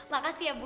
makasih ya bu